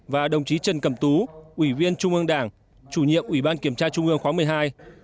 và đồng chí trần cẩm tú ủy viên trung ương đảng chủ nhiệm ủy ban kiểm tra trung ương khóa một mươi hai